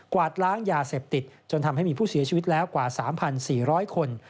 วาดล้างยาเสพติดจนทำให้มีผู้เสียชีวิตแล้วกว่า๓๔๐๐คน